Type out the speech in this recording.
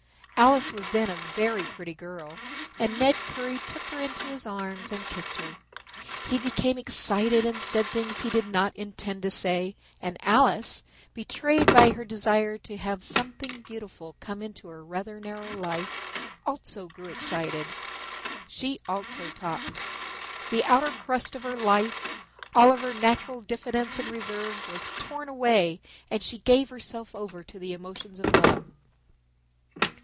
Alice was then a very pretty girl and Ned Currie took her into his arms and kissed her. He became excited and said things he did not intend to say and Alice, betrayed by her desire to have something beautiful come into her rather narrow life, also grew excited. She also talked. The outer crust of her life, all of her natural diffidence and reserve, was torn away and she gave herself over to the emotions of love.